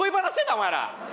お前ら。